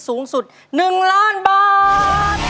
สูงสุด๑ล้านบาท